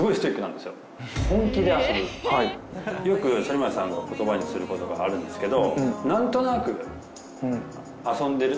よく反町さんが言葉にすることがあるんですけど。